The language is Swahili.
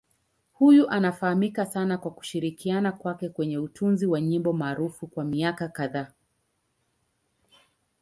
Huyu anafahamika sana kwa kushirikiana kwake kwenye utunzi wa nyimbo maarufu kwa miaka kadhaa.